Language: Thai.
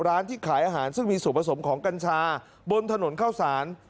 ร้านที่ขายอาหารซึ่งมีส่วนผสมของกัญชาบนถนนเข้าสาร